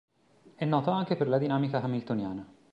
È noto anche per la dinamica Hamiltoniana.